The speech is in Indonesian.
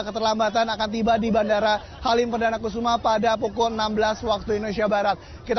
keterlambatan akan tiba di bandara halim perdana kusuma pada pukul enam belas waktu indonesia barat kita